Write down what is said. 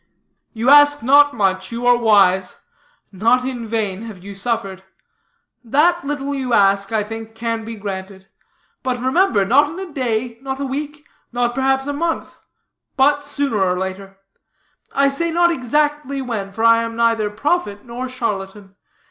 "You ask not much; you are wise; not in vain have you suffered. That little you ask, I think, can be granted. But remember, not in a day, nor a week, nor perhaps a month, but sooner or later; I say not exactly when, for I am neither prophet nor charlatan.